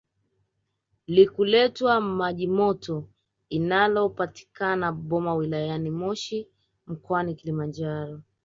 likuletwa majimoto inalopatikana boma wilayani moshi mkoani Kilimanjaro